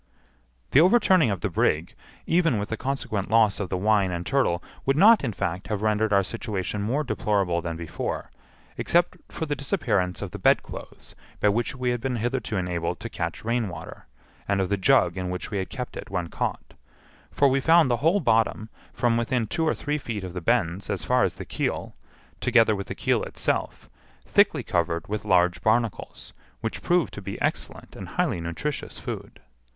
The overturning of the brig, even with the consequent loss of the wine and turtle, would not, in fact, have rendered our situation more deplorable than before, except for the disappearance of the bedclothes by which we had been hitherto enabled to catch rainwater, and of the jug in which we had kept it when caught; for we found the whole bottom, from within two or three feet of the bends as far as the keel, together with the keel itself, thickly covered with large barnacles, which proved to be excellent and highly nutritious food.